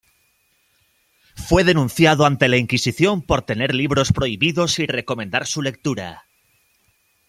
Fue denunciado ante la Inquisición por tener libros prohibidos y recomendar su lectura.